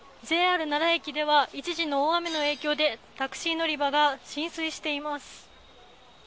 ＪＲ奈良駅では一時の大雨の影響でタクシー乗り場が浸水しています。